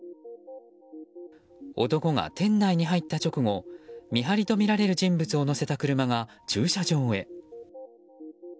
男が店内に入った直後見張りとみられる人物を乗せた車が駐車場へ。